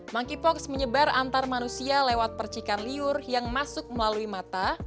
monkeypox menyebar antar manusia lewat percikan liur yang masuk melalui mata